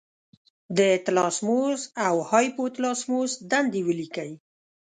د تلاموس او هایپو تلاموس دندې ولیکئ.